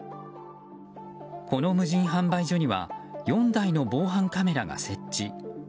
この無人販売所には４台の防犯カメラが設置。